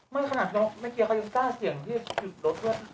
ไม่ขนาดเนอะเมื่อกี้เขายังกล้าเสียงที่หยุดรถรถ